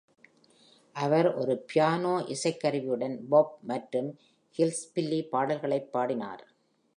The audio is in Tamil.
அவர் ஒரு பியானோ இசைக்கருவியுடன் பாப் மற்றும் "ஹில்ல்பில்லி" பாடல்களைப் பாடினார்.